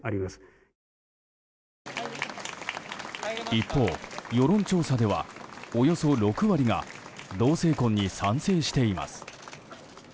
一方、世論調査ではおよそ６割が同性婚に賛成しています。